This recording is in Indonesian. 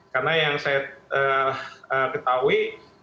karena yang saya ketahui